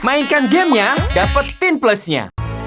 mainkan gamenya dapetin plusnya